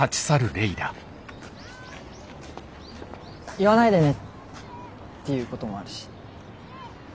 言わないでねっていうこともあるし。